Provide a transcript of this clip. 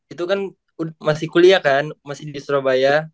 itu kan masih kuliah kan masih di surabaya